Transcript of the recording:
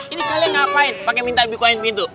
ini kalian ngapain pake minta bukain pintu